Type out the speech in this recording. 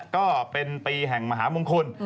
ก็เป็นปีแห่งมหามงคล